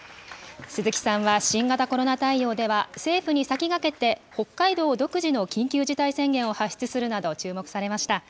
鈴木さんは新型コロナ対応では、政府に先駆けて北海道独自の緊急事態宣言を発出するなど、注目されました。